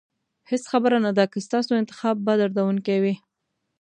هېڅ خبره نه ده که ستاسو انتخاب به دردونکی وي.